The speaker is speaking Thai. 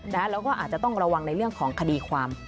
แล้วก็อาจจะต้องระวังในเรื่องของคดีความ